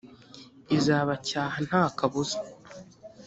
izabacyaha nta kabuza